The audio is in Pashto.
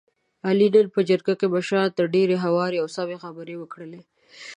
علي نن په جرګه کې مشرانو ته ډېرې هوارې او سمې خبرې وکړلې.